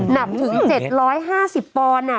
หนักถึง๗๕๐ปอนด์